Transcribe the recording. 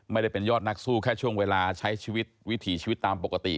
ไม่ได้เป็นยอดนักสู้แค่ช่วงเวลาใช้ชีวิตวิถีชีวิตตามปกติ